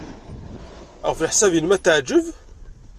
Ɣef leḥsab-nnem, ad t-teɛjeb?